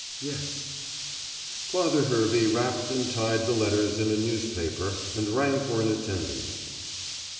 "Yes." Father Hervey wrapped and tied the letters in a newspaper and rang for an attendant.